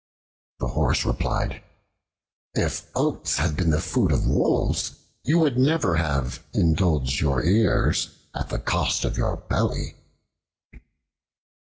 The Horse replied, "If oats had been the food of wolves, you would never have indulged your ears at the cost of your belly."